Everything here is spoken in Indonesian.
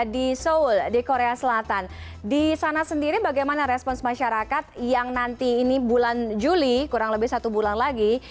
di seoul di korea selatan di sana sendiri bagaimana respons masyarakat yang nanti ini bulan juli kurang lebih satu bulan lagi